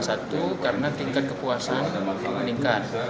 satu karena tingkat kepuasan meningkat